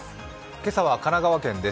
今朝は神奈川県です。